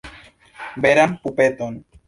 Veran pupeton.